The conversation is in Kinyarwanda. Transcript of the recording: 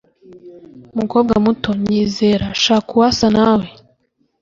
Mukobwa muto nyizera shaka uwasa nawe